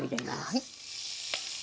はい。